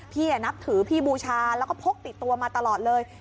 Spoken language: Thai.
นับถือพี่บูชาแล้วก็พกติดตัวมาตลอดเลย